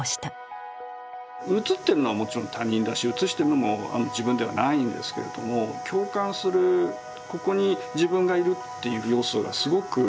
写ってるのはもちろん他人だし写してるのも自分ではないんですけれども共感するここに自分がいるっていう要素がすごく強くある。